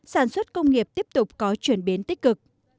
sản xuất công nghiệp tiếp tục có chuyển biến tích cực